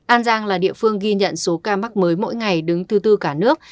an giang là địa phương ghi nhận số ca mắc mới mỗi ngày đứng thứ tư cả nước